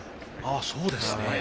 あそうですね。